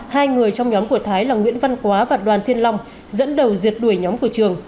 hai người trong nhóm của thái là nguyễn văn quá và đoàn thiên long dẫn đầu diệt đuổi nhóm của trường